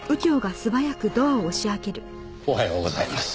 おはようございます。